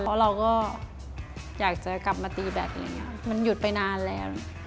เพราะเราก็อยากจะกลับมาตีแบตมันหยุดไปนานแล้ว